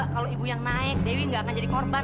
kalau ibu yang naik dewi gak akan jadi korban